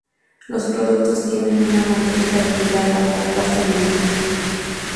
Los productos tienen una mayor estabilidad a largo plazo en el tiempo.